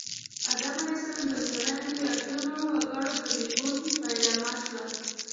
آدم علیه السلام د اوسنیو ملیاردونو وګړو د زېږون پیلامه شوه